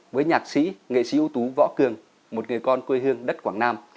với nhạc sĩ nghệ sĩ ưu tú võ cường một người con quê hương đất quảng nam